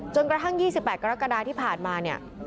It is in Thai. จนกระทั่ง๒๘กรกฎาที่ผ่านมา